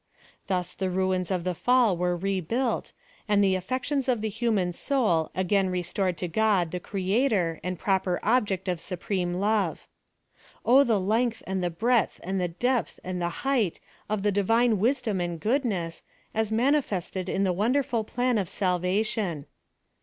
Thus the ruins of the fall were rebuilt, and the af J fections of the human soul again restored to God, the Creator, and proper object of supreme love. O the leno^th, and the breadth, and the depth, and the 196 PHILOSOPHY OF THB height, of the divine wisdom and goodness, as man ifested in the wonderful Plan of Salvation.